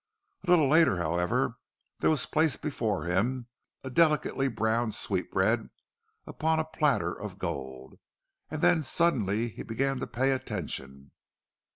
A little later, however, there was placed before him a delicately browned sweetbread upon a platter of gold, and then suddenly he began to pay attention.